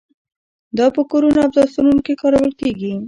دا په کورونو او دفترونو کې کارول کیږي.